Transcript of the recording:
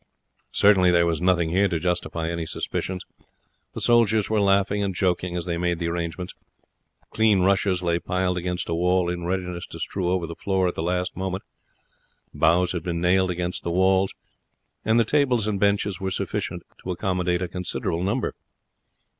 Certainly there was nothing here to justify any suspicions. The soldiers were laughing and joking as they made the arrangements; clean rushes lay piled against a wall in readiness to strew over the floor at the last moment; boughs had been nailed against the walls, and the tables and benches were sufficient to accommodate a considerable number.